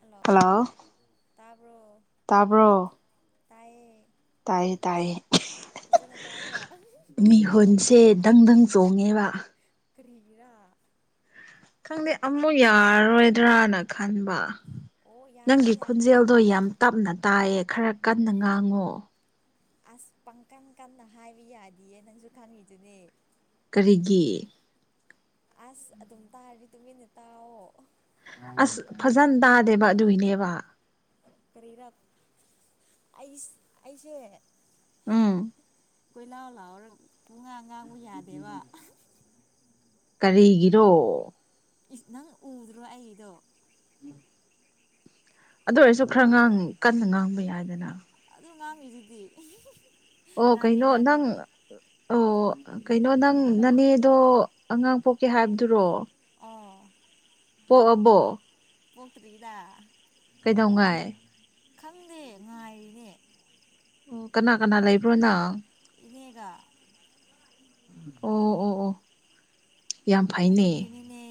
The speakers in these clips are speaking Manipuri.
ꯑꯂꯣ ꯍꯜꯂꯣ ꯇꯥꯕ꯭ꯔꯣ ꯇꯥꯕ꯭ꯔꯣ ꯇꯥꯏ ꯇꯥꯏꯌꯦ ꯇꯥꯏꯌꯦ ꯐꯖꯅ ꯇꯥꯕ꯭ꯔꯥ ꯃꯤꯍꯨꯜꯁꯦ ꯗꯪ ꯗꯪ ꯆꯣꯡꯉꯦꯕ ꯀꯔꯤꯒꯤꯔꯥ ꯈꯪꯗꯦ ꯑꯃꯨꯛ ꯌꯥꯔꯔꯣꯏꯗ꯭ꯔꯅ ꯈꯟꯕ ꯑꯣ ꯌꯥꯒꯅꯤ ꯅꯪꯒꯤ ꯌꯥꯒꯅꯤ ꯈꯣꯟꯖꯦꯜꯗꯣ ꯌꯥꯝ ꯇꯞꯅ ꯇꯥꯏꯌꯦ ꯈꯔ ꯀꯟꯅ ꯉꯥꯡꯉꯣ ꯑꯁ ꯄꯪꯀꯟ ꯀꯟꯅ ꯍꯥꯏꯕ ꯌꯥꯗꯤꯌꯦ ꯅꯪꯁꯨ ꯈꯪꯉꯤꯗꯨꯅꯦ ꯀꯔꯤꯒꯤ ꯑꯁ ꯑꯗꯨꯝ ꯇꯥꯔꯗꯤ ꯇꯨꯃꯤꯟꯅ ꯇꯥꯛꯑꯣ ꯑꯁ ꯐꯖꯅ ꯇꯥꯗꯦꯕ ꯑꯗꯨꯒꯤꯅꯦꯕ ꯀꯔꯤꯔꯥ ꯑꯩ ꯑꯩꯁꯦ ꯎꯝ ꯀꯣꯏꯂꯥꯎ ꯂꯥꯎꯔꯒ ꯄꯨꯡꯉꯥꯡ ꯉꯥꯡꯕ ꯌꯥꯗꯦꯕ ꯀꯔꯤꯒꯤꯔꯣ ꯑꯁ ꯅꯪ ꯎꯗ꯭ꯔꯣ ꯑꯩꯗꯣ ꯑꯗꯨ ꯑꯣꯏꯔꯁꯨ ꯈꯔ ꯉꯥꯡ ꯀꯟꯅ ꯉꯥꯡꯕ ꯌꯥꯏꯗꯦꯅ ꯑꯗꯨ ꯉꯥꯡꯉꯤꯗꯨꯗꯤ ꯑꯣ ꯉꯥꯡꯒꯦ ꯀꯩꯅꯣ ꯉꯥꯡꯒꯦ ꯅꯪ ꯑꯣ ꯀꯩꯅꯣ ꯅꯪ ꯅꯅꯦꯗꯣ ꯑꯉꯥꯡ ꯄꯣꯛꯈꯤ ꯍꯥꯏꯕꯗꯨꯔꯣ ꯑꯥ ꯄꯣꯛꯑꯕꯣ ꯄꯣꯛꯇ꯭ꯔꯤꯗ ꯀꯩꯗꯧꯉꯥꯏ ꯈꯪꯗꯦ ꯉꯥꯏꯔꯤꯅꯦ ꯑꯣ ꯀꯅꯥ ꯀꯅꯥ ꯂꯩꯕ꯭ꯔꯣꯅꯪ ꯏꯅꯦꯒ ꯑꯣ ꯑꯣ ꯑꯣ ꯌꯥꯝ ꯐꯩꯅꯦ ꯑꯗꯨꯒꯤꯅꯤꯅꯦ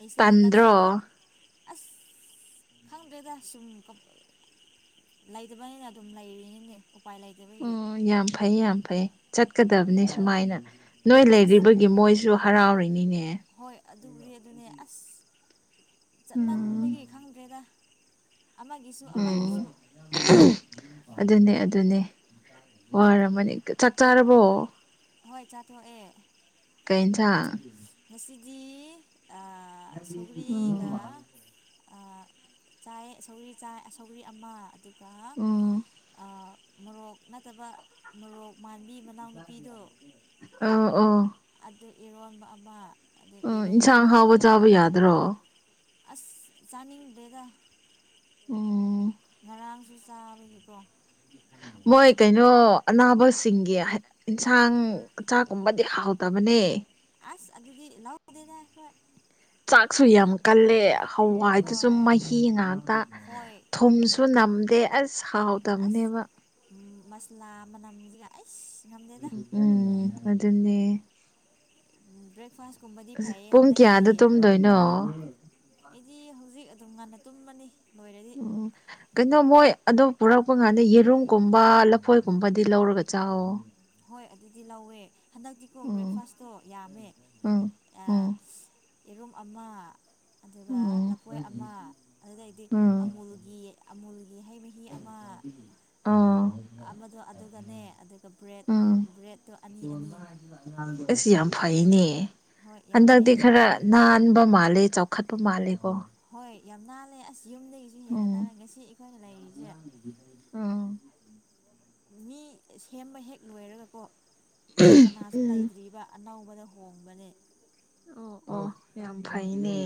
ꯑꯩꯁꯦ ꯍꯟꯗꯛꯁꯦ ꯇꯟꯗ꯭ꯔꯣ ꯑꯁ ꯈꯪꯗ꯭ꯔꯦꯗ ꯁꯨꯝ ꯂꯩꯇꯕꯅꯤꯅ ꯑꯗꯨꯝ ꯂꯩꯔꯤꯅꯤꯅꯦ ꯎꯄꯥꯏ ꯂꯩꯇ ꯑꯣ ꯌꯥꯝ ꯐꯩ ꯌꯥꯝ ꯐꯩ ꯆꯠꯀꯗꯕꯅꯤ ꯁꯨꯃꯥꯏꯅ ꯅꯣꯏ ꯑꯁ ꯂꯩꯔꯤꯕꯒꯤ ꯃꯣꯏꯁꯨ ꯍꯔꯥꯎꯔꯤꯅꯤꯅꯦ ꯍꯣꯏ ꯑꯗꯨꯕꯨꯗꯤ ꯑꯗꯨꯅꯦ ꯑꯁ ꯎꯝ ꯆꯠꯃꯟꯕꯒꯤ ꯈꯪꯗ꯭ꯔꯦꯗ ꯑꯃꯒꯤꯁꯨ ꯎꯝ ꯑꯃꯒꯤꯁꯨ ꯑꯗꯨꯅꯦ ꯑꯗꯨꯅꯦ ꯋꯥꯔꯝꯃꯅꯤ ꯆꯥꯛ ꯆꯥꯔꯕꯣ ꯍꯣꯏ ꯆꯥꯊꯣꯛꯑꯦ ꯀꯩ ꯏꯟꯁꯥꯡ ꯉꯁꯤꯗꯤ ꯑꯥ ꯎꯝ ꯁꯧꯒꯔꯤꯒ ꯑꯥ ꯆꯥꯏꯌꯦ ꯁꯧꯒꯔ꯭ꯤ ꯆꯥꯏ ꯁꯧꯒꯔꯤ ꯑꯃ ꯑꯗꯨꯒ ꯎꯝ ꯃꯣꯔꯣꯛ ꯅꯠꯇꯕ ꯃꯣꯔꯣꯛ ꯃꯥꯟꯕꯤ ꯃꯅꯥꯎꯅꯨꯄꯤꯗꯣ ꯑꯣ ꯑꯣ ꯑꯗꯩ ꯏꯔꯣꯟꯕꯥ ꯑꯃ ꯑꯗꯩ ꯎꯝ ꯌꯦꯔꯨꯝ ꯏꯟꯁꯥꯡ ꯀꯥꯡꯉꯧ ꯍꯥꯎꯕ ꯑꯃ ꯆꯥꯕ ꯌꯥꯗ꯭ꯔꯣ ꯑꯁ ꯆꯥꯅꯤꯡꯗꯦꯗ ꯎꯝ ꯉꯔꯥꯡꯁꯨ ꯆꯥꯕꯒꯤꯗꯣ ꯃꯣꯏ ꯀꯩꯅꯣ ꯑꯅꯥꯕꯁꯤꯡꯒꯤ ꯏꯟꯁꯥꯡ ꯆꯥꯛꯒꯨꯝꯕꯗꯤ ꯍꯥꯎꯇꯕꯅꯦ ꯑꯁ ꯑꯗꯨꯗꯤ ꯂꯧꯗꯦꯗꯥ ꯑꯩꯈꯣꯢ ꯆꯥꯛꯁꯨ ꯌꯥꯝ ꯀꯜꯂꯦ ꯍꯋꯥꯏꯗꯨꯁꯨ ꯍꯣꯏ ꯃꯍꯤ ꯉꯥꯛꯇ ꯍꯣꯏ ꯊꯨꯝꯁꯨ ꯅꯝꯗꯦ ꯑꯁ ꯍꯥꯎꯇꯕꯅꯦꯕ ꯎꯝ ꯃꯁꯂꯥ ꯃꯅꯝ ꯁꯤꯒ ꯑꯩꯁ ꯉꯝꯗꯦꯗ ꯎꯝ ꯑꯗꯨꯅꯦ ꯎꯝ ꯕ꯭ꯔꯦꯛꯐꯥꯁ ꯀꯨꯝꯕꯗꯤ ꯐꯩꯌꯦ ꯄꯨꯡ ꯍꯟꯗꯛꯀꯤꯗꯤ ꯀꯌꯥꯗ ꯇꯨꯝꯗꯣꯏꯅꯣ ꯑꯩꯗꯤ ꯍꯧꯖꯤꯛ ꯑꯗꯨꯝ ꯉꯟꯅ ꯇꯨꯝꯃꯅꯤ ꯂꯣꯏꯔꯗꯤ ꯎꯝ ꯀꯩꯅꯣ ꯃꯣꯏ ꯑꯗꯨ ꯄꯨꯔꯛꯄ ꯀꯥꯟꯗ ꯌꯦꯔꯨꯝꯒꯨꯝꯕ ꯂꯐꯣꯏꯒꯨꯝꯕꯗꯤ ꯂꯧꯔꯒ ꯆꯧꯋꯣ ꯍꯣꯏ ꯑꯗꯨꯗꯤ ꯂꯧꯋꯦ ꯍꯟꯗꯛꯇꯤꯀꯣ ꯎꯝ ꯕ꯭ꯔꯦꯛꯐꯥꯁꯇꯣ ꯌꯥꯝꯃꯦ ꯎꯝ ꯑꯥ ꯎꯝ ꯌꯦꯔꯨꯝ ꯑꯃ ꯑꯗꯨꯒ ꯎꯝ ꯂꯐꯣꯏ ꯑꯃ ꯑꯗꯨꯗꯩꯗꯤ ꯎꯝ ꯑꯃꯨꯜꯒꯤ ꯑꯃꯨꯜꯒꯤ ꯍꯩ ꯃꯍꯤ ꯑꯃ ꯑꯥ ꯑꯃꯗꯣ ꯑꯗꯨꯒꯅꯦ ꯑꯗꯨꯒ ꯕ꯭ꯔꯦꯠ ꯕ꯭ꯔꯦꯠꯇꯣ ꯑꯅꯤ ꯑꯅꯤ ꯢꯁ ꯌꯥꯝ ꯐꯩꯅꯦ ꯍꯣꯏ ꯌꯥꯝꯃꯦ ꯍꯟꯗꯛꯇꯤ ꯈꯔ ꯑꯗꯒꯤꯗꯤ ꯅꯥꯟꯕ ꯃꯥꯜꯂꯦ ꯆꯥꯎꯈꯠꯄ ꯃꯥꯜꯂꯦ ꯀꯣ ꯍꯣꯏ ꯌꯥꯝ ꯅꯥꯜꯂꯦ ꯑꯁ ꯌꯨꯝꯗꯒꯤ ꯁꯤ ꯍꯦꯟꯅ ꯎꯝ ꯅꯥꯂꯝꯅꯤ ꯁꯤ ꯑꯩꯈꯣꯏꯅ ꯂꯩꯔꯤꯁꯦ ꯎꯝ ꯃꯤ ꯁꯦꯝꯕ ꯍꯦꯛ ꯂꯣꯏꯔꯒꯀꯣ ꯀꯅꯥꯁꯨ ꯎꯝ ꯂꯩꯇ꯭ꯔꯤꯕ ꯑꯅꯧꯕꯗ ꯍꯣꯡꯕꯅꯦ ꯑꯣ ꯑꯣ ꯌꯥꯝ ꯐꯩꯅꯦ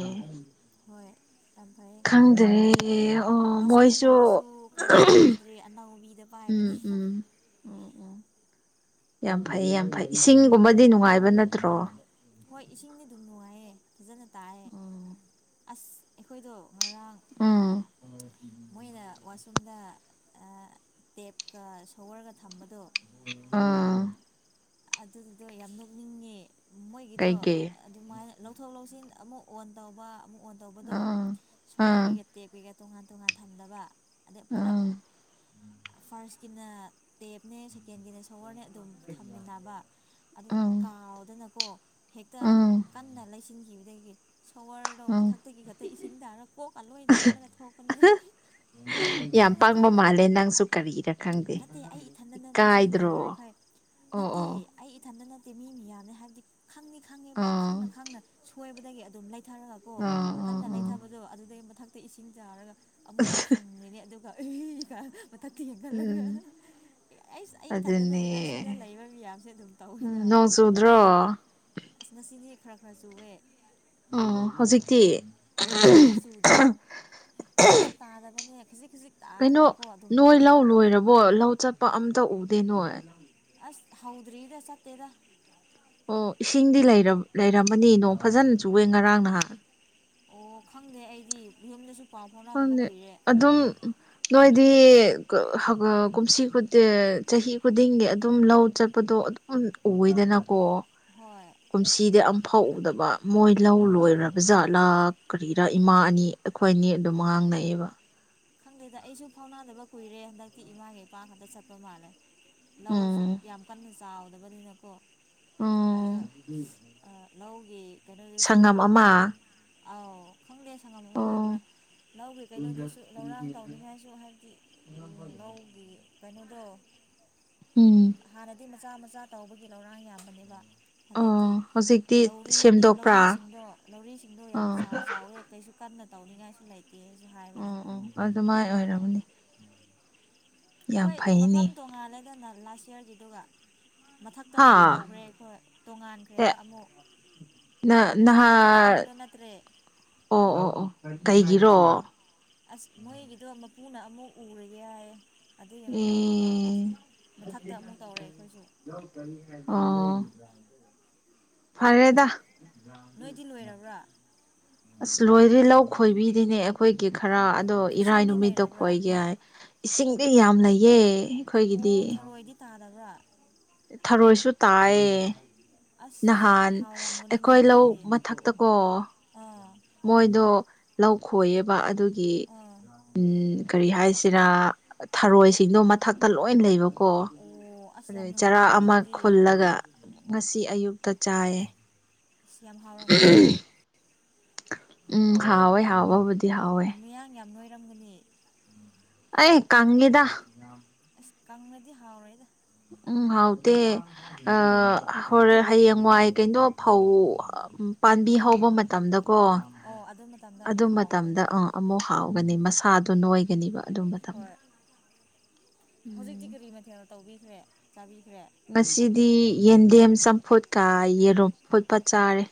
ꯍꯣꯏ ꯌꯥꯝ ꯐꯩꯌꯦ ꯈꯪꯗ꯭ꯔꯦ ꯑꯣ ꯃꯣꯏꯁꯨ ꯋꯥꯁꯔꯨꯝꯒꯨꯝꯕꯁꯨ ꯀꯩꯝ ꯄꯥꯏꯕꯤꯗ꯭ꯔꯤ ꯑꯅꯧꯕꯤꯗ ꯄꯥꯏꯕꯅꯦ ꯎꯝ ꯎꯝ ꯎꯝ ꯎꯝ ꯌꯥꯝ ꯐꯩ ꯌꯥꯝ ꯐꯩ ꯏꯁꯤꯡꯒꯨꯝꯕꯗꯤ ꯅꯨꯡꯉꯥꯏꯕ ꯅꯠꯇ꯭ꯔꯣ ꯍꯣꯏ ꯏꯁꯤꯡꯗꯤ ꯑꯗꯨꯝ ꯅꯨꯡꯉꯥꯏꯌꯦ ꯐꯖꯅ ꯇꯥꯏꯑꯦ ꯑꯁ ꯑꯩꯈꯣꯏꯗꯣ ꯉꯔꯥꯡ ꯎꯝ ꯃꯣꯏꯅ ꯋꯥꯁꯔꯨꯝꯗ ꯑꯥ ꯇꯦꯞꯀ ꯁꯣꯋꯔꯒ ꯊꯝꯕꯗꯣ ꯑꯥ ꯑꯗꯨꯒꯤꯗꯣ ꯌꯥꯝ ꯅꯣꯛꯅꯤꯡꯉꯦ ꯃꯣꯏꯒꯤꯗꯣ ꯀꯩꯒꯤ ꯑꯗꯨꯃꯥꯏꯅ ꯂꯧꯊꯣꯛ ꯂꯧꯁꯤꯟ ꯑꯃꯨꯛ ꯑꯣꯟ ꯇꯧꯕ ꯑꯃꯨꯛ ꯑꯣꯟ ꯇꯧꯕꯗꯣ ꯎꯝ ꯎꯝ ꯁꯣꯍꯔꯒꯤꯒ ꯇꯦꯞꯀꯤꯒ ꯇꯣꯉꯥꯟ ꯇꯣꯉꯥꯟ ꯊꯝꯗꯕ ꯑꯗꯩ ꯄꯨꯂꯞ ꯎꯝ ꯐꯥꯔꯁꯀꯤꯅ ꯇꯦꯞꯅꯦ ꯁꯦꯀꯦꯟꯒꯤꯅꯦ ꯁꯣꯍꯔꯅꯦ ꯑꯗꯨꯝ ꯊꯝꯃꯤꯟꯅꯕ ꯕꯥ ꯑꯗꯨ ꯎꯝ ꯀꯥꯎꯗꯅꯀꯣ ꯍꯦꯛꯇ ꯎꯝ ꯀꯟꯅ ꯂꯩꯁꯤꯟꯈꯤꯕꯗꯒꯤ ꯁꯣꯋꯔꯗꯣ ꯎꯝ ꯃꯊꯛꯇꯒꯤ ꯈꯛꯇ ꯏꯁꯤꯡ ꯇꯥꯔꯒ ꯀꯣꯛꯀ ꯂꯣꯏ ꯆꯣꯠꯂꯒ ꯊꯣꯛꯄꯅꯦ ꯌꯥꯝ ꯈꯪꯅ ꯄꯪꯕ ꯈꯪꯅ ꯃꯥꯜꯂꯦ ꯅꯪꯁꯨ ꯀꯔꯤꯔ ꯈꯪꯗꯦ ꯅꯠꯇꯦ ꯑꯩ ꯏꯊꯟꯗ ꯅꯠꯇꯦ ꯁꯤꯗ ꯏꯀꯥꯏꯗ꯭ꯔꯣ ꯂꯩꯔꯤ ꯃꯈꯩ ꯑꯣ ꯅꯠꯇꯦ ꯑꯣ ꯑꯩ ꯏꯊꯟꯇ ꯅꯠꯇꯦ ꯃꯤ ꯃꯤꯌꯥꯝꯅꯤ ꯍꯥꯏꯕꯗꯤ ꯈꯪꯗꯤ ꯈꯪꯉꯦꯕ ꯑꯥ ꯈꯪꯅ ꯈꯪꯅ ꯁꯣꯏꯕꯗꯒꯤ ꯑꯗꯨꯝ ꯂꯩꯊꯔꯒꯀꯣ ꯑꯥ ꯑꯥ ꯀꯟꯅ ꯑꯥ ꯂꯩꯊꯕꯗꯣ ꯑꯗꯨꯗꯩ ꯃꯊꯛꯇ ꯏꯁꯤꯡ ꯇꯥꯔꯒ ꯑꯃꯨꯛ ꯍꯪꯒꯅꯤ ꯑꯗꯨꯒ ꯃꯊꯛꯇ ꯌꯦꯡꯈꯠꯂꯒ ꯎꯝ ꯑꯩꯁ ꯑꯩ ꯏꯊꯟꯇ ꯑꯗꯨꯅꯦ ꯅꯠꯇꯦꯅ ꯁꯤꯗ ꯂꯩꯕ ꯃꯤꯌꯥꯝꯁꯨ ꯑꯗꯨꯝ ꯇꯧꯋꯦꯗ ꯅꯣꯡ ꯆꯨꯗ꯭ꯔꯣ ꯑꯁ ꯉꯁꯤꯗꯤ ꯈꯔ ꯈꯔ ꯆꯨꯋꯦ ꯑꯣ ꯍꯧꯖꯤꯛꯇꯤ ꯍꯧꯖꯤꯛꯇꯤ ꯆꯨꯗꯦ ꯀꯟꯅꯁꯨ ꯇꯥꯗꯕꯅꯦ ꯈꯖꯤꯛ ꯈꯖꯤꯛ ꯀꯩꯅꯣ ꯅꯣꯏ ꯂꯧ ꯂꯣꯏꯔꯕꯣ ꯂꯧ ꯆꯠꯄ ꯑꯝꯇ ꯎꯗꯦ ꯅꯣꯏ ꯑꯁ ꯍꯥꯎꯗ꯭ꯔꯤꯗ ꯆꯠꯇꯦꯗ ꯑꯣ ꯏꯁꯤꯡꯗꯤ ꯂꯩꯔꯝꯃꯅꯤ ꯅꯣꯡ ꯐꯖꯅ ꯆꯨꯑꯦ ꯉꯔꯥꯡ ꯅꯍꯥꯟ ꯑꯣ ꯈꯪꯗꯦ ꯑꯩꯗꯤ ꯌꯨꯝꯗꯁꯨ ꯄꯥꯎ ꯐꯥꯎꯅꯗꯕ ꯈꯪꯗꯦ ꯀꯨꯏꯔꯦ ꯑꯗꯨꯝ ꯅꯣꯏꯗꯤ ꯀꯨꯝꯁꯤ ꯆꯍꯤ ꯈꯨꯗꯤꯡꯒꯤ ꯑꯗꯨꯝ ꯂꯧ ꯆꯠꯄꯗꯣ ꯑꯗꯨꯝ ꯎꯋꯦꯗꯅꯀꯣ ꯍꯣꯏ ꯀꯨꯝꯁꯤꯗꯤ ꯑꯝꯐꯥꯎ ꯎꯗꯕ ꯃꯣꯏ ꯂꯧ ꯍꯣꯏ ꯂꯣꯏꯔꯕ ꯖꯥꯠꯂꯥ ꯀꯔꯤꯔꯥ ꯏꯃꯥ ꯑꯅꯤ ꯑꯩꯈꯣꯏ ꯑꯅꯤ ꯑꯗꯨꯝ ꯉꯥꯡꯅꯩꯌꯦꯕ ꯈꯪꯗꯦꯗ ꯑꯩꯁꯨ ꯐꯥꯎꯅꯥꯗꯕ ꯀꯨꯏꯔꯦ ꯍꯟꯗꯛꯇꯤ ꯏꯃꯥꯒ ꯏꯄꯥꯒ ꯈꯛꯇ ꯆꯠꯄ ꯃꯥꯜꯂꯦ ꯂꯧꯁꯨ ꯎꯝ ꯌꯥꯝ ꯀꯟꯅ ꯆꯥꯎꯗꯕꯅꯤꯅꯀꯣ ꯑꯗꯨ ꯎꯝ ꯑꯥ ꯂꯧꯒꯤ ꯀꯩꯅꯣꯗꯨꯁꯨ ꯁꯪꯉꯝ ꯑꯃ ꯑꯥꯎ ꯈꯪꯗꯦ ꯁꯪꯉꯝ ꯑꯃ ꯑꯣ ꯑꯣꯏꯕ꯭ꯔꯥ ꯂꯧꯒꯤ ꯀꯩꯅꯣꯗꯨꯁꯨ ꯂꯧꯔꯥꯡ ꯇꯧꯅꯤꯡꯉꯥꯏꯁꯨ ꯍꯥꯏꯕꯗꯤ ꯂꯧꯒꯤ ꯀꯩꯅꯣꯗꯣ ꯎꯝ ꯍꯥꯟꯅꯗꯤ ꯃꯆꯥ ꯃꯆꯥ ꯇꯧꯕꯒꯤ ꯂꯧꯔꯥꯡ ꯌꯥꯝꯕꯅꯦꯕ ꯍꯟꯗꯛꯇꯤ ꯑꯣ ꯍꯧꯖꯤꯛꯇꯤ ꯂꯧꯔꯤ ꯁꯦꯝꯗꯣꯛꯄ꯭ꯔꯥ ꯂꯧꯔꯤꯁꯤꯡꯗꯣ ꯂꯧꯔꯤꯁꯤꯡꯗꯣ ꯌꯥꯝ ꯆꯥꯎ ꯑꯥ ꯆꯥꯎꯑꯦ ꯀꯩꯁꯨ ꯀꯟꯅ ꯇꯧꯅꯤꯡꯉꯥꯏꯁꯨ ꯂꯩꯇꯦꯁꯨ ꯍꯥꯏꯕꯅꯤ ꯑꯗꯨꯃꯥꯏꯟ ꯑꯣꯏꯔꯝꯃꯅꯤ ꯑꯩꯈꯣꯏ ꯃꯐꯝ ꯐꯩꯅꯦ ꯇꯣꯉꯥꯜꯂꯦꯗꯅ ꯂꯥꯁ ꯌꯥꯔꯒꯤꯗꯨꯒ ꯃꯊꯛꯇ ꯍꯥ ꯑꯃꯨꯛ ꯇꯧꯈ꯭ꯔꯦ ꯑꯩꯈꯣꯏ ꯑꯦ ꯇꯣꯉꯥꯟꯈ꯭ꯔꯦꯕ ꯑꯃꯨꯛ ꯅ ꯍꯥꯟꯅꯒꯤ ꯅꯍꯥꯟ ꯃꯐꯝꯗꯣ ꯅꯠꯇ꯭ꯔꯦ ꯑꯣ ꯑꯣ ꯑꯣ ꯀꯩꯒꯤꯔꯣ ꯑꯁ ꯃꯣꯏꯒꯤꯗꯣ ꯃꯄꯨꯅ ꯑꯃꯨꯛ ꯎꯔꯒꯦ ꯌꯥꯏꯌꯦ ꯑꯗꯨꯒꯤ ꯃꯐꯝ ꯑꯃꯃꯨꯛꯁꯨ ꯑꯦ ꯃꯊꯛꯇ ꯑꯃꯨꯛ ꯇꯧꯔꯦ ꯑꯩꯈꯣꯏꯁꯨ ꯑꯣ ꯐꯔꯦꯗ ꯅꯣꯏꯗꯤ ꯂꯣꯏꯔꯕ꯭ꯔꯥ ꯑꯁ ꯂꯣꯏꯗ꯭ꯔꯤ ꯂꯧ ꯈꯣꯏꯕꯤꯔꯤꯅꯦ ꯑꯩꯈꯣꯏꯒꯤ ꯈꯔ ꯑꯗꯣ ꯏꯔꯥꯏ ꯏꯁꯤꯡꯗꯤ ꯅꯨꯃꯤꯠꯇ ꯂꯩꯔꯕ꯭ꯔꯥ ꯈꯣꯏꯒꯦ ꯍꯥꯏ ꯏꯁꯤꯡꯗꯤ ꯌꯥꯝ ꯂꯩꯌꯦ ꯑꯩꯈꯣꯏꯒꯤꯗꯤ ꯑꯣ ꯊꯔꯣꯏꯗꯤ ꯇꯥꯗꯕ꯭ꯔꯥ ꯊꯔꯣꯏꯁꯨ ꯇꯥꯏꯌꯦ ꯑꯁ ꯅꯍꯥꯟ ꯍꯥꯎꯔꯝꯒꯅꯤꯅꯦ ꯑꯩꯈꯣꯏ ꯂꯧ ꯑꯗꯨꯗꯤ ꯃꯊꯛꯇ ꯀꯣ ꯑꯥ ꯃꯣꯏꯗꯣ ꯂꯧ ꯈꯣꯏꯌꯦꯕ ꯑꯗꯨꯒꯤ ꯑꯥ ꯎꯝ ꯀꯔꯤ ꯍꯥꯏꯁꯤꯔꯥ ꯊꯔꯣꯏꯁꯤꯡꯗꯣ ꯃꯊꯛꯇ ꯂꯣꯏ ꯂꯩꯕ ꯀꯣ ꯑꯣ ꯑꯁ ꯑꯗꯨ ꯌꯥꯝ ꯆꯔꯥ ꯅꯨꯡꯉꯥꯏꯔꯝꯒꯅꯤ ꯑꯃ ꯑꯗꯨꯗꯤ ꯈꯨꯜꯂꯒ ꯉꯁꯤ ꯑꯌꯨꯛꯇ ꯆꯥꯏꯌꯦ ꯢꯁ ꯌꯥꯝ ꯍꯥꯎꯔꯝꯒꯅꯤꯅꯦ ꯎꯝ ꯍꯥꯎꯋꯦ ꯍꯥꯎꯕꯕꯨꯗꯤ ꯍꯥꯎꯋꯦ ꯃꯌꯥꯡ ꯌꯥꯝ ꯅꯣꯏꯔꯝꯒꯅꯤ ꯑꯣꯢ ꯀꯪꯉꯤꯗꯥ ꯑꯁ ꯀꯪꯂꯗꯤ ꯍꯥꯎꯔꯣꯏꯗ ꯎꯝ ꯍꯥꯎꯇꯦ ꯑ ꯍꯣꯔ ꯍꯌꯦꯡꯋꯥꯏ ꯀꯩꯅꯣ ꯐꯧ ꯄꯥꯟꯕꯤ ꯎꯝ ꯍꯧꯕ ꯃꯇꯝꯗꯀꯣ ꯑꯣ ꯑꯗꯨ ꯃꯇꯝꯗ ꯑꯗꯨ ꯑꯃꯨꯛ ꯍꯥꯎꯒꯅꯤ ꯃꯇꯝꯗ ꯑꯥ ꯑꯃꯨꯛ ꯍꯥꯎꯒꯅꯤ ꯃꯁꯛ ꯁꯥꯗꯨꯅ ꯅꯣꯏꯒꯅꯤꯕ ꯑꯗꯨ ꯃꯇꯝꯗ ꯍꯣꯏ ꯎꯝ ꯍꯧꯖꯤꯛꯇꯤ ꯀꯔꯤ ꯃꯊꯦꯜ ꯇꯧꯕꯤꯈ꯭ꯔꯦ ꯆꯥꯕꯤꯈ꯭ꯔꯦ ꯉꯁꯤꯗꯤ ꯌꯦꯟꯗꯦꯝ ꯆꯝꯐꯨꯠꯀ ꯌꯦꯔꯨꯝ ꯐꯨꯠꯄ ꯆꯥꯔꯦ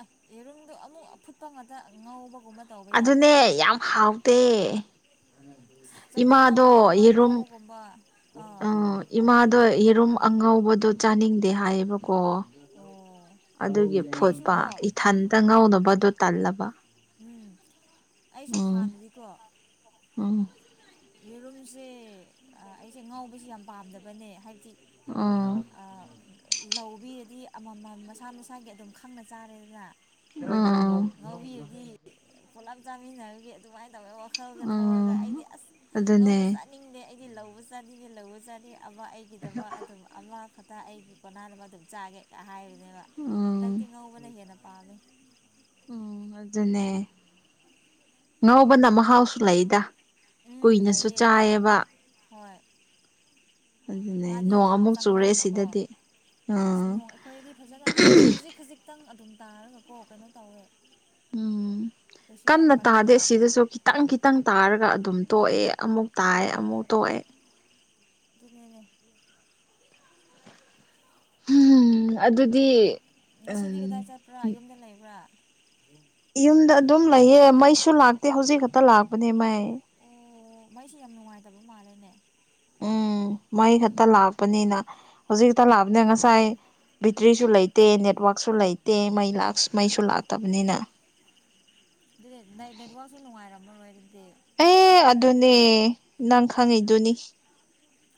ꯑꯁ ꯌꯦꯔꯨꯝꯗꯣ ꯑꯃꯨꯛ ꯑꯐꯨꯠꯄ ꯉꯥꯛꯇ ꯉꯧꯕꯒꯨꯝꯕ ꯇꯧꯕ ꯌꯥꯗ꯭ꯔꯣ ꯑꯗꯨꯅꯦ ꯌꯥꯝ ꯍꯥꯎꯇꯦ ꯆꯝꯐꯨꯠ ꯏꯃꯥꯗꯣ ꯇꯧꯔꯗꯤ ꯑꯃ ꯌꯦꯔꯝ ꯉꯧꯕꯒꯨꯝꯕ ꯑ ꯑꯥ ꯏꯃꯥꯗꯣ ꯌꯦꯔꯨꯝ ꯑꯉꯧꯕꯗꯣ ꯆꯥꯅꯤꯡꯗꯦ ꯍꯥꯏꯌꯦꯕꯀꯣ ꯑꯣ ꯑꯗꯨꯒꯤ ꯐꯣꯠꯄ ꯑꯩꯁꯨꯀꯣ ꯏꯊꯟꯇ ꯉꯥꯎꯅꯕꯗꯣ ꯇꯜꯂꯕ ꯎꯝ ꯑꯩꯁꯨ ꯎꯝ ꯍꯥꯟꯅꯗꯤꯀꯣ ꯎꯝ ꯌꯦꯔꯨꯝꯁꯦ ꯑꯩꯁꯦ ꯉꯥꯎꯁꯦ ꯌꯥꯝ ꯄꯥꯝꯗꯕꯅꯦ ꯍꯥꯏꯕꯗꯤ ꯑꯣ ꯂꯧꯕꯤꯔꯗꯤ ꯑꯃꯃꯝ ꯃꯁꯥ ꯃꯁꯥꯒꯤ ꯑꯗꯨꯝ ꯈꯪꯅ ꯆꯥꯔꯦꯗꯅ ꯑ ꯉꯧꯕꯤꯔꯗꯤ ꯄꯨꯂꯞ ꯆꯥꯃꯤꯟꯅꯔꯦ ꯑꯗꯨꯃꯥꯏꯅ ꯇꯧꯋꯒ ꯋꯥꯈꯜꯒ ꯊꯧꯔꯒ ꯎꯝ ꯑꯩꯗꯤ ꯑꯁ ꯅꯧꯕ ꯑꯗꯨꯅꯦ ꯆꯥꯅꯤꯡꯗꯦ ꯑꯩꯒꯤ ꯂꯧꯕ ꯆꯥꯅꯤꯉꯦ ꯂꯧꯕ ꯆꯥꯅꯤ ꯑꯃ ꯑꯩꯒꯤꯗꯃꯛ ꯑꯗꯨꯝ ꯑꯃꯈꯛꯇ ꯑꯩꯒꯤ ꯀꯣꯟꯅꯕ ꯑꯗꯨꯝ ꯆꯥꯒꯦꯒ ꯍꯥꯏ ꯅꯦꯕ ꯍꯟꯗꯛꯇꯤ ꯎꯝ ꯉꯧꯕꯅ ꯍꯦꯟꯅ ꯄꯥꯝꯃꯤ ꯎꯝ ꯑꯗꯨꯅꯦ ꯉꯧꯕꯅ ꯃꯍꯥꯎꯁꯨ ꯂꯩꯗ ꯎꯝ ꯀꯨꯏꯅꯁꯨ ꯂꯩꯌꯦ ꯆꯥꯏꯌꯦꯕ ꯍꯣꯏ ꯑꯗꯨꯅꯦ ꯃꯥꯗꯤ ꯅꯣꯡ ꯊꯥꯎ ꯑꯃꯨꯛ ꯆꯨꯔꯦ ꯆꯪꯕꯅꯤꯅꯀꯣ ꯁꯤꯗꯗꯤ ꯑꯁ ꯑꯥ ꯅꯣꯡ ꯑꯩꯈꯣꯏꯗꯤ ꯐꯖꯅ ꯇꯥꯗꯦ ꯈꯖꯤꯛ ꯈꯖꯤꯛꯇꯪ ꯑꯗꯨꯝ ꯇꯥꯔꯒꯀꯣ ꯀꯩꯅꯣ ꯇꯧꯔꯦ ꯎꯝ ꯀꯟꯅ ꯇꯥꯗꯦ ꯑꯁꯤꯗꯁꯨ ꯈꯤ ꯈꯤꯇꯪ ꯈꯤꯇꯪ ꯇꯥꯔꯒ ꯑꯗꯨꯝ ꯇꯣꯛꯑꯦ ꯑꯃꯨꯛ ꯇꯥꯏ ꯑꯃꯨꯛ ꯍꯣꯏ ꯇꯣꯛꯑꯦ ꯑꯗꯨꯅꯤꯅꯦ ꯍꯨꯝ ꯑꯗꯨꯗꯤ ꯉꯁꯤꯗꯤ ꯎꯝ ꯀꯗꯥꯏ ꯆꯠꯄ꯭ꯔꯥ ꯌꯨꯝꯗ ꯂꯩꯕ꯭ꯔꯥ ꯌꯨꯝꯗ ꯑꯗꯨꯝ ꯂꯩꯌꯦ ꯃꯩꯁꯨ ꯂꯥꯛꯇꯦ ꯍꯧꯖꯤꯛ ꯈꯇ ꯂꯥꯛꯄꯅꯦ ꯃꯩ ꯑꯦ ꯃꯩꯁꯨ ꯌꯥꯝ ꯅꯨꯡꯉꯥꯏꯇꯕ ꯃꯥꯜꯂꯦꯅꯦ ꯎꯝ ꯃꯩ ꯈꯠꯇ ꯂꯥꯛꯄꯅꯤꯅ ꯍꯨꯖꯤꯛꯈꯇ ꯂꯥꯛꯕꯅꯦ ꯉꯁꯥꯏ ꯑꯣ ꯕꯤꯇ꯭ꯔꯤꯁꯨ ꯂꯩꯠ ꯇꯦ ꯅꯦꯠꯋꯥꯛꯁꯨ ꯂꯩꯇꯦ ꯃꯩ ꯂꯥꯛꯁ ꯃꯩꯁꯨ ꯂꯥꯛꯇꯕꯅꯤꯅ ꯗꯨꯅꯦꯠ ꯗꯩ ꯅꯦꯠꯋꯥꯛꯁꯨ ꯅꯨꯡꯉꯥꯏꯔꯝꯃꯔꯣꯏ ꯑꯗꯨꯗꯤ ꯑꯦ ꯑꯗꯨꯅꯦ ꯅꯪ ꯈꯪꯉꯤꯗꯨꯅꯤ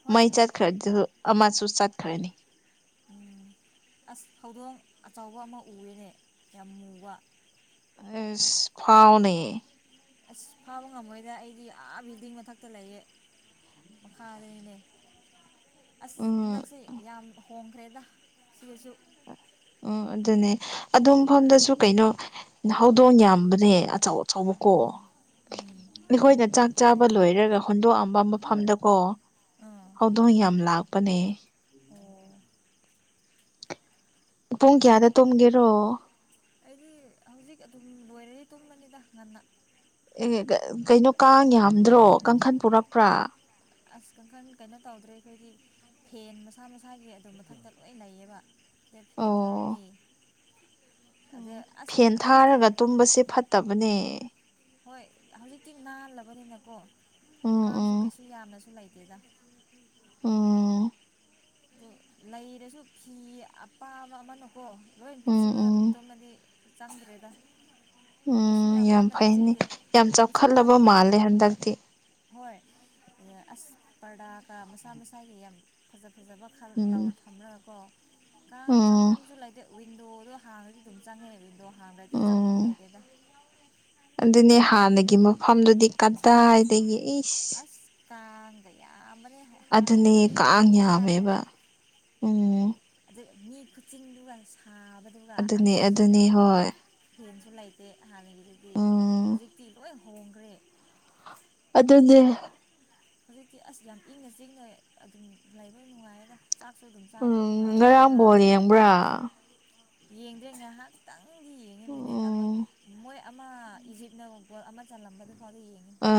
ꯍꯣꯏ ꯃꯩ ꯆꯠ ꯈ꯭ꯔ ꯗꯨ ꯑꯃꯁꯨ ꯆꯠꯈ꯭ꯔꯅꯤ ꯎꯝ ꯑꯁ ꯍꯧꯗꯣꯡ ꯑꯆꯕ ꯑꯃ ꯎꯑꯦꯅꯦ ꯌꯥꯝ ꯃꯨꯕ ꯑꯁ ꯐꯥꯎꯅꯦ ꯑꯁ ꯐꯥꯕ ꯉꯝꯃꯣꯏꯗ ꯑꯩꯗꯤ ꯑꯥ ꯕꯤꯜꯗꯤꯡ ꯃꯊꯛꯇ ꯂꯩꯌꯦ ꯃꯈꯥꯗꯅꯤꯅꯦ ꯑꯁ ꯎꯝ ꯍꯟꯗꯛꯁꯦ ꯌꯥꯝ ꯍꯣꯡꯈ꯭ꯔꯦꯗ ꯁꯤꯗꯁꯨ ꯎꯝ ꯑꯗꯨꯅꯦ ꯑꯗꯨ ꯃꯐꯝꯗꯁꯨ ꯀꯩꯅꯣ ꯍꯧꯗꯣꯡ ꯌꯥꯝꯕꯅꯦ ꯑꯆꯧ ꯆꯧꯕꯀꯣ ꯎꯝ ꯎꯝ ꯑꯩꯈꯣꯏꯅ ꯆꯥꯛ ꯆꯥꯕ ꯍꯧꯖꯤꯛ ꯂꯣꯏꯔꯒ ꯍꯨꯟꯗꯣꯛꯑꯝꯕ ꯃꯐꯝꯗꯀꯣ ꯑꯥ ꯍꯧꯗꯣꯡ ꯌꯥꯝ ꯂꯥꯛꯄꯅꯦ ꯑꯣ ꯄꯨꯡ ꯀ꯭ꯌꯥꯗ ꯇꯨꯝꯒꯦꯔꯣ ꯑꯩꯗꯤ ꯍꯧꯖꯤꯛ ꯑꯗꯨꯝ ꯂꯣꯏꯔꯗꯤ ꯇꯨꯝꯃꯅꯤꯗ ꯉꯟꯅ ꯑꯦ ꯀ-ꯀꯩꯅꯣ ꯀꯥꯡ ꯌꯥꯝꯗ꯭ꯔꯣ ꯀꯥꯡꯈꯟ ꯄꯨꯔꯛꯄ꯭ꯔꯥ ꯑꯁ ꯀꯥꯡꯈꯟ ꯀꯩꯅꯣ ꯇꯧꯗ꯭ꯔꯦ ꯑꯩꯈꯣꯏꯒꯤ ꯐꯦꯟ ꯃꯁꯥ ꯃꯁꯥꯒꯤ ꯑꯗꯨ ꯃꯊꯛꯇ ꯂꯣꯏ ꯂꯩꯌꯦꯕ ꯐꯦꯞ ꯑꯣ ꯐꯦꯟ ꯊꯥꯔꯗꯤ ꯐꯦꯟ ꯊꯥꯔꯒ ꯇꯨꯝꯕꯁꯦ ꯐꯠꯇꯕꯅꯦ ꯍꯣꯏ ꯍꯧꯖꯤꯛꯇꯤ ꯅꯥꯜꯂꯕꯅꯤꯅꯀꯣ ꯎꯝ ꯎꯝ ꯀꯥꯡꯁꯨ ꯀꯩꯁꯨ ꯌꯥꯝꯅꯁꯨ ꯂꯩꯇꯦꯗ ꯎꯝ ꯗꯨ ꯂꯩꯔꯁꯨ ꯐꯤ ꯑꯄꯥꯕ ꯑꯃꯅꯀꯣ ꯂꯣꯏꯟ ꯎꯝ ꯀꯨꯞꯁꯤꯜꯂ ꯎꯝ ꯑꯗꯨꯝ ꯇꯨꯝꯃꯗꯤ ꯆꯪꯗ꯭ꯔꯦꯗ ꯀꯩꯁꯨ ꯎꯝ ꯌꯥꯝ ꯀꯟꯅꯗꯤ ꯐꯩꯅꯤ ꯆꯤꯛꯇꯦ ꯌꯥꯝ ꯎꯆꯪ ꯐꯝ ꯆꯥꯎꯈꯠꯂꯕ ꯃꯥꯜꯂꯦ ꯍꯟꯗꯛꯇꯤ ꯍꯣꯏ ꯑꯦ ꯑꯁ ꯄꯔꯗꯥꯀ ꯃꯁꯥ ꯃꯁꯥꯒꯤ ꯌꯝ ꯐꯖꯕ ꯈꯟ ꯎꯝ ꯇꯥꯎ ꯊꯝꯔꯒꯀꯣ ꯀꯥꯡ ꯎꯝ ꯆꯪꯐꯝꯁꯨ ꯂꯩꯏꯇꯦ ꯋꯤꯟꯗꯣꯗꯣ ꯍꯥꯡꯉꯗꯤ ꯑꯗꯨꯝ ꯆꯪꯉꯦ ꯋꯤꯟꯗꯣ ꯍꯥꯡꯗ꯭ꯔꯗꯤ ꯆꯪꯐꯝ ꯎꯝ ꯂꯩꯇꯦꯗꯥ ꯑꯗꯨꯅꯦ ꯍꯥꯟꯅꯒꯤ ꯃꯐꯝꯗꯨꯗꯤ ꯀꯗꯥꯏꯗꯒꯤ ꯏꯁ ꯑꯁ ꯀꯥꯡꯒ ꯌꯥꯝꯕꯅꯦ ꯑꯗꯨꯅꯦ ꯍꯥꯟꯅꯒꯤꯗꯨꯗꯤ ꯀꯥꯡ ꯂꯩꯕ ꯌꯥꯝꯃꯦꯕ ꯌꯥꯔꯣꯏꯗ ꯑꯨꯡ ꯑꯗꯨ ꯃꯤ ꯀꯆꯤꯟꯗꯨꯒ ꯁꯥꯕ ꯑꯗꯨꯅꯤ ꯑꯗꯨꯅꯤ ꯍꯣꯏ ꯐꯦꯟꯁꯨ ꯂꯩꯇꯦ ꯍꯥꯟꯅꯒꯤꯗꯨꯗꯤ ꯎꯝ ꯍꯧꯖꯤꯛꯇꯤ ꯂꯣꯏ ꯍꯣꯡꯒ꯭ꯔꯦ ꯑꯗꯨꯅꯦ ꯍꯨꯖꯤꯛꯇꯤ ꯑꯁ ꯌꯥꯝ ꯏꯪꯅ ꯆꯤꯛꯅ ꯑꯗꯨꯝ ꯂꯩꯕꯅ ꯅꯨꯡꯉꯥꯏꯔꯦꯗ ꯆꯥꯛꯁꯨ ꯑꯗꯨꯝ ꯆꯥꯕ ꯎꯝ ꯅꯨꯡꯉꯥꯏ ꯉꯔꯥꯡ ꯕꯣꯜ ꯅꯥꯟꯕꯅꯤꯅ ꯌꯦꯡꯕ꯭ꯔꯥ ꯌꯦꯡꯗ꯭ꯔꯦ ꯉꯥꯏꯍꯥꯛ ꯇꯪꯗꯤ ꯌꯦꯡꯉꯦ ꯃꯤꯅꯤꯠ ꯑꯃ ꯎꯝ ꯃꯣꯏ ꯑꯃ ꯏꯖꯤꯞꯅ ꯒꫭꯜ ꯑꯃ ꯆꯜꯂꯝꯕꯗꯨ ꯐꯥꯎꯗꯤ ꯌꯦꯡꯉꯤ ꯑ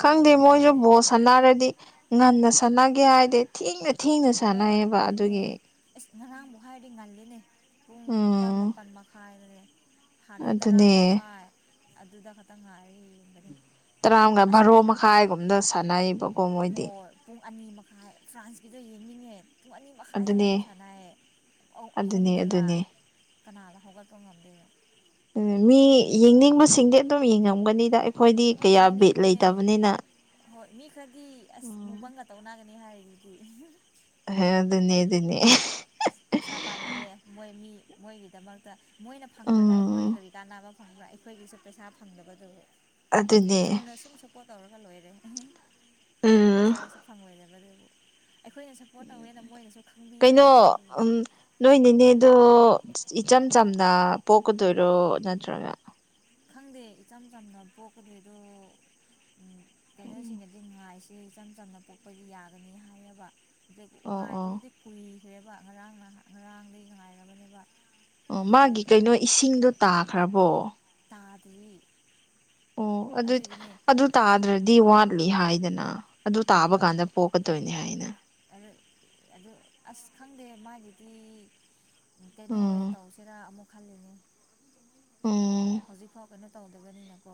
ꯈꯪꯗꯦ ꯃꯣꯏꯖꯨ ꯌꯦꯡꯗꯦ ꯕꯣ ꯁꯟꯅꯥꯔꯗꯤ ꯉꯟꯅ ꯁꯟꯅꯥꯒꯦ ꯍꯥꯏꯗꯦ ꯊꯦꯡꯅ ꯊꯦꯡꯅ ꯁꯥꯟꯅꯩꯌꯦꯕ ꯑꯗꯨꯒꯤ ꯏꯁ ꯉꯔꯥꯡꯕꯨ ꯍꯥꯏꯔꯗꯤ ꯉꯜꯂꯤꯅꯦ ꯄꯨꯡ ꯅꯤꯄꯥꯟ ꯎꯝ ꯃꯥꯄꯟ ꯃꯈꯥꯏꯗ ꯅꯦ ꯊꯥꯗꯩꯟ ꯇꯔꯥ ꯑꯗꯨꯅꯦ ꯃꯈꯥꯏ ꯑꯗꯨꯗ ꯈꯇꯪ ꯉꯥꯏꯔ ꯌꯦꯡꯕꯅꯤ ꯇꯔꯥꯝꯒ ꯚꯥꯔꯣ ꯃꯈꯥꯏꯒꯨꯝꯗ ꯁꯥꯟꯅꯥꯏꯕꯨ ꯑ ꯍꯣꯏ ꯄꯨꯡ ꯑꯅꯤ ꯃꯈꯥꯏ ꯐ꯭ꯔꯥꯟꯁꯀꯤꯗꯣ ꯌꯦꯡꯅꯤꯡꯉꯦ ꯄꯨꯡ ꯑꯅꯤꯃꯈꯥꯏꯗ ꯉꯥꯛꯇꯥ ꯑꯗꯨꯅꯦ ꯁꯥꯟꯅꯩ ꯑꯧ ꯑꯗꯨꯅꯦ ꯑꯍꯨꯝꯗꯒ ꯑꯗꯨꯅꯦ ꯀꯅꯥꯅ ꯍꯧꯒꯠꯄ ꯉꯝꯗꯣꯏꯅꯣ ꯎꯝ ꯃꯤ ꯌꯦꯡꯅꯤꯡꯕꯁꯤꯡꯗꯤ ꯑꯗꯨꯝ ꯌꯦꯡꯉꯝꯒꯅꯤꯗ ꯑꯩꯈꯣꯏꯗꯤ ꯍꯣꯏ ꯀꯌꯥ ꯕꯤꯠ ꯌꯦꯡꯅꯤꯡꯕꯅꯦ ꯂꯩꯇꯕꯅꯤꯅ ꯍꯣꯏ ꯃꯤ ꯈꯔꯗꯤ ꯑꯁ ꯎꯝ ꯃꯨꯛꯕꯥꯡꯒꯥ ꯇꯧꯅꯒꯅꯤ ꯍꯥꯏꯔꯤꯗꯨꯗꯤ ꯑꯗꯨꯅ‌ꯦ ꯑꯗꯨꯅ‌ꯦ ꯄꯩꯁꯥ ꯄꯥꯝꯃꯨꯋꯦ ꯃꯣꯏ ꯃꯤ ꯃꯣꯏꯒꯤꯗꯃꯛꯇ ꯃꯣꯏꯅ ꯐꯪꯈ꯭ꯔꯒ ꯑꯩꯈꯣꯏꯒꯤ ꯎꯝ ꯀꯔꯤ ꯀꯥꯟꯅꯕ ꯑꯩꯈꯣꯏꯒꯤꯁꯨ ꯄꯩꯁꯥ ꯐꯪꯗꯕꯗꯨꯕꯨ ꯑꯗꯨꯅꯦ ꯆꯨꯝꯅ ꯁꯨꯝ ꯄꯣꯠ ꯇꯧꯔꯒ ꯂꯣꯏꯔꯦ ꯎꯝ ꯄꯩꯁꯥꯁꯨ ꯐꯪꯉꯣꯏꯗꯕ ꯗꯨꯕꯨ ꯑꯩꯈꯣꯏꯅ ꯄꯣꯠ ꯇꯧꯋꯦꯅ ꯃꯣꯏꯅꯁꯨ ꯀꯩꯅꯣ ꯈꯪꯕꯤꯔꯣꯏꯗꯕ ꯎꯝ ꯅꯣꯏ ꯅꯦꯅ‌ꯦꯗꯣ ꯏꯆꯝ ꯆꯝꯅ ꯄꯣꯛꯀꯗꯣꯏꯔꯣ ꯅꯠꯇ꯭ꯔꯒ ꯈꯪꯗꯦ ꯏꯆꯝ ꯆꯝꯅ ꯄꯣꯛꯀꯗꯣꯏꯔ‌ꯣ ꯎꯝ ꯑꯣ ꯀꯩꯅꯣꯁꯤꯡꯅꯗꯤ ꯉꯥꯏꯁ‌ꯦ [unintelligible] ꯏꯆꯝ ꯆꯝꯅ ꯄꯣꯛꯄꯒꯤ ꯌꯥꯒꯅꯤ ꯍꯥꯏꯌꯦꯕ ꯗꯨꯏ ꯑꯣ ꯉꯥꯏꯕꯗꯨꯗꯤ ꯄꯨꯏꯈ꯭ꯔꯦꯕ ꯉꯔꯥꯡ ꯅꯍ ꯉꯔꯥꯡꯗꯒꯤ ꯉꯥꯏꯔꯕꯅꯦꯕ ꯑꯣ ꯑꯗꯨꯒꯤ ꯃꯥꯒꯤ ꯀꯩꯅꯣ ꯏꯁꯤꯡꯗꯣ ꯇꯥꯈ꯭ꯔꯕꯣ ꯇꯥꯗꯤ ꯑꯣ ꯑꯗꯨꯠ ꯑꯗꯨ ꯇꯥꯗ꯭ꯔꯗꯤ ꯋꯥꯠꯂꯤ ꯍꯥꯏꯗꯅ ꯑꯗꯨ ꯇꯥꯕ ꯍꯣꯏ ꯀꯥꯟꯗ ꯄꯣꯛꯀꯗꯣꯏꯅꯤ ꯍꯥꯏꯅ ꯑꯗꯨ ꯑꯗꯨ ꯑꯁ ꯈꯪꯗꯦ ꯃꯥꯒꯤꯗꯤ ꯀꯩꯅꯣ ꯎꯝ ꯑꯣꯏ ꯇꯧꯁꯤꯔꯥ ꯑꯃꯨꯛ ꯈꯜꯂꯤꯅꯤ ꯑꯣ ꯍꯧꯖꯤꯛꯐꯥꯎ ꯀꯩꯅꯣ ꯇꯧꯗꯕꯅꯤꯅꯀꯣ